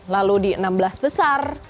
lalu di enam belas besar